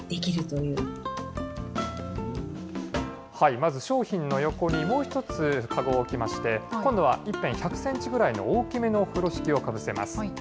まず商品の横にもう１つ籠を置きまして、今度は１辺１００センチぐらいの大きめの風呂敷をかぶせます。